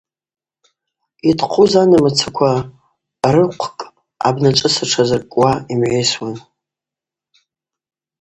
Йтхъуз анамыцаква рырхъвкӏ абначвыцӏа тшазыркӏуа йымгӏвайсуан.